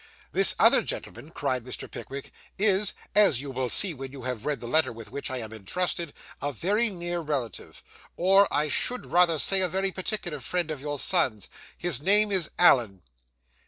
'This other gentleman,' cried Mr. Pickwick, 'is, as you will see when you have read the letter with which I am intrusted, a very near relative, or I should rather say a very particular friend of your son's. His name is Allen.